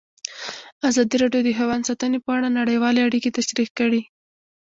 ازادي راډیو د حیوان ساتنه په اړه نړیوالې اړیکې تشریح کړي.